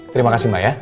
terima kasih mbak ya